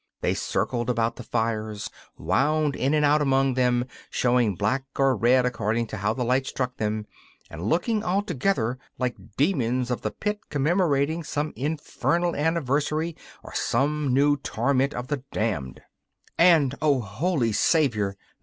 They circled about the fires, wound in and out among them, showing black or red according to how the light struck them, and looking altogether like Demons of the Pit commemorating some infernal anniversary or some new torment for the damned. And, holy Saviour!